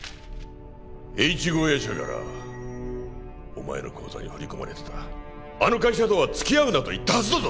エイチゴーヤ社からお前の口座に振り込まれてたあの会社とはつきあうなと言ったはずだぞ！